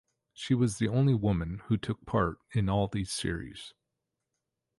She was the only woman who took part in all these Series.